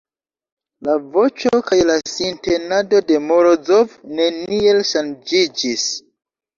La voĉo kaj la sintenado de Morozov neniel ŝanĝiĝis.